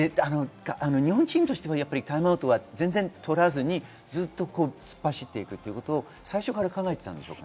日本人としてはタイムアウトを取らずに、ずっと突っ走っていくということを最初から考えてたんですか？